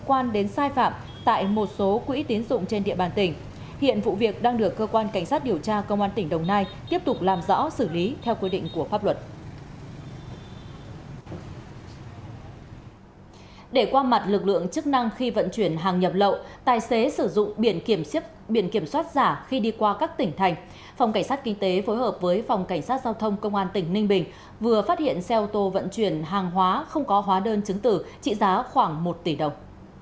cảnh sát kinh tế phối hợp với phòng cảnh sát giao thông công an tỉnh ninh bình vừa phát hiện xe ô tô vận chuyển hàng hóa không có hóa đơn chứng tử trị giá khoảng một tỷ đồng